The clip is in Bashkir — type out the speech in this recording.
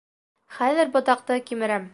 Хәҙер ботаҡты кимерәм.